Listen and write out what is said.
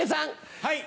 はい。